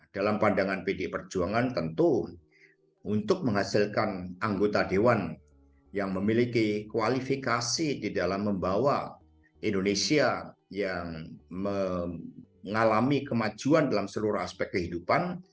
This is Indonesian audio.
dalam pandangan pdi perjuangan tentu untuk menghasilkan anggota dewan yang memiliki kualifikasi di dalam membawa indonesia yang mengalami kemajuan dalam seluruh aspek kehidupan